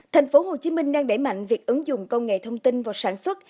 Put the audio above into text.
thành phố hồ chí minh đang đẩy mạnh việc ứng dụng công nghệ thông tin vào sản xuất